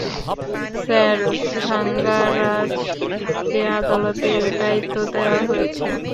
Sir, থাঙ্গারাজকে আদালতের দায়িত্ব দেওয়া হয়েছে।